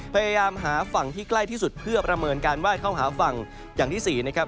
พยายามหาฝั่งที่ใกล้ที่สุดเพื่อประเมินการไห้เข้าหาฝั่งอย่างที่สี่นะครับ